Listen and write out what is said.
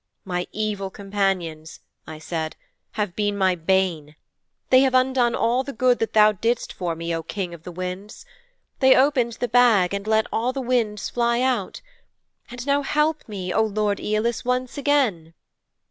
"' '"My evil companions," I said, "have been my bane. They have undone all the good that thou didst for me, O King of the Winds. They opened the bag and let all the winds fly out. And now help me, O Lord Æolus, once again."'